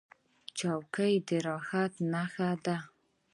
چوکۍ د راحت نښه ده.